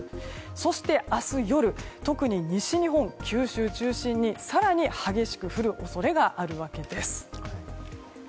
そして明日夜特に西日本、九州中心に更に激しく降る恐れがあるわけです。